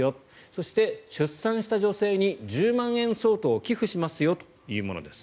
そして、出産した女性に１０万円相当を寄付しますよというものです。